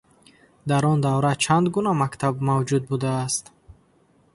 Дар он давра чанд гуна мактаб мавҷуд будааст?